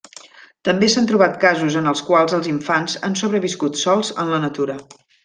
També s'han trobat casos en els quals els infants han sobreviscut sols en la natura.